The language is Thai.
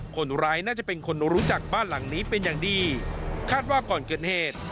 คนร้ายน่าจะเป็นคนรู้จักบ้านหลังนี้เป็นอย่างดีคาดว่าก่อนเกิดเหตุ